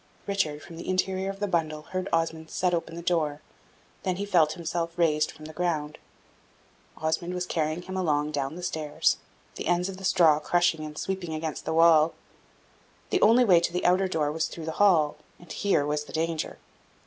Richard, from the interior of the bundle heard Osmond set open the door; then he felt himself raised from the ground; Osmond was carrying him along down the stairs, the ends of the straw crushing and sweeping against the wall. The only way to the outer door was through the hall, and here was the danger.